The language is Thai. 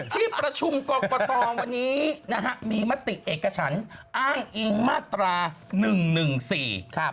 ที่ประชุมกรกประตอบวันนี้นะฮะมีมติเอกชั้นอ้างอิงมาตรา๑๑๔